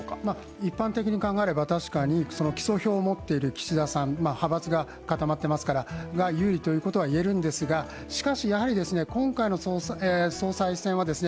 一般的に考えれば、確かに基礎票を持ってる岸田さん、派閥が固まっていますから、有利ということは言えるんですが、しかしやはり、今回の総裁選はですね